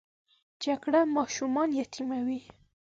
جګړه ماشومان یتیموي